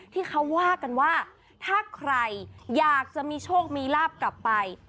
ที่เขาว่ากันว่าถ้าใครอยากจะมีโชคมีลาบกลับไป